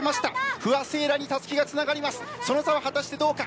不破聖衣来にたすきがつながります。